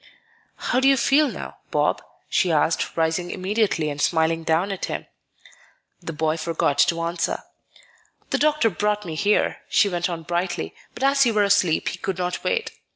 "How do you feel now, Bob?" she asked, rising immediately and smiling down at him. The boy forgot to answer. "The doctor brought me here," she went on brightly; "but as you were asleep, he could not wait.